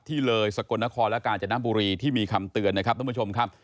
ที่เลยสกลนครและกาญจนบุรีที่มีคำเตือนนะครับท่านผู้ชมครับ